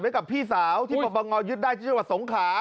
ไว้กับพี่สาวที่ปรบังงอนยึดได้ที่เจ้าหวัดสงขา